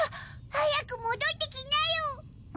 早く戻ってきなよ！